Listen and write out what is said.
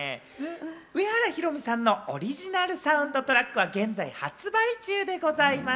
上原ひろみさんのオリジナルサウンドトラックは、現在発売中でございます。